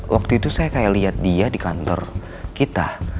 waktu itu saya kayak lihat dia di kantor kita